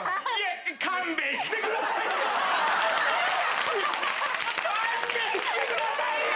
勘弁してくださいよ！